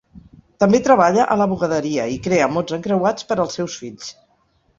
També treballa a la bugaderia i crea mots encreuats per als seus fills.